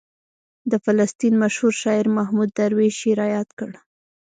د فلسطین مشهور شاعر محمود درویش یې رایاد کړ.